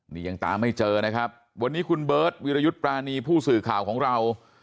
นี่ยังตามไม่เจอนะครับวันนี้คุณเบิร์ตวิรยุทธ์ปรานีผู้สื่อข่าวของเรา